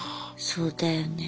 そうだよね。